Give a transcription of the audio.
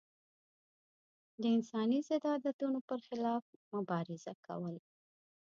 د انساني ضد عادتونو پر خلاف مبارزه کول.